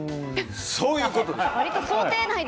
そういうことです！